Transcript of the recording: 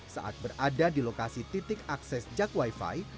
saat berada di lokasi titik akses jak wifi